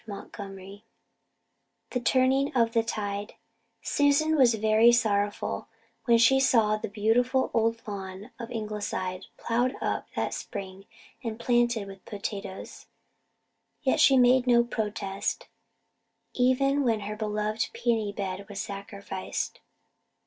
CHAPTER XXX THE TURNING OF THE TIDE Susan was very sorrowful when she saw the beautiful old lawn of Ingleside ploughed up that spring and planted with potatoes. Yet she made no protest, even when her beloved peony bed was sacrificed.